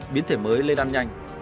biến thể mới lây lan nhanh